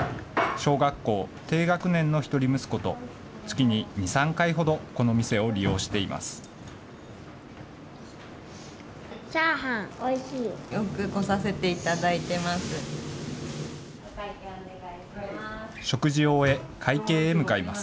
小学校低学年のひとり息子と、月に２、３回ほどこの店を利用しています。